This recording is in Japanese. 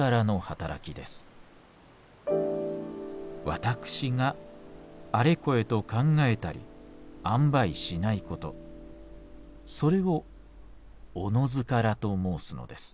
私があれこれと考えたり按配しないことそれを『おのずから』と申すのです。